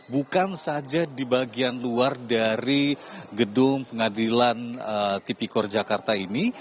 bukan saja di bagian luar dari gedung pengadilan tipikor jakarta ini